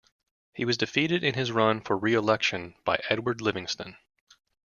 He was defeated in his run for re-election by Edward Livingston.